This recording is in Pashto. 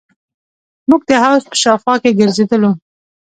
موږ د حوض په شاوخوا کښې ګرځېدلو.